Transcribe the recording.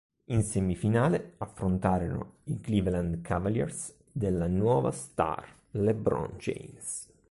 In semifinale affrontarono i Cleveland Cavaliers della nuova star LeBron James.